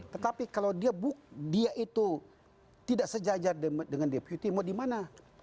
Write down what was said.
tetapi kalau dia itu tidak sejajar dengan deputi mau dimana